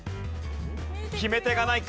決め手がないか？